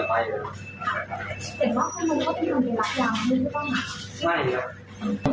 ไม่นะครับ